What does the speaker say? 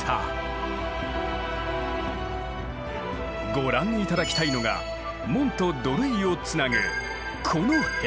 ご覧頂きたいのが門と土塁をつなぐこの塀。